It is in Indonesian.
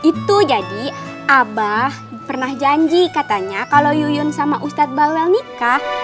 itu jadi abah pernah janji katanya kalau yuyun sama ustadz bawel nikah